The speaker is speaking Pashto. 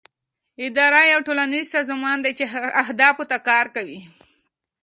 اداره یو ټولنیز سازمان دی چې اهدافو ته کار کوي.